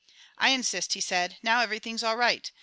"I insist," he said. "Now everything's all right.